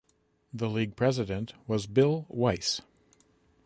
The league president was Bill Weiss.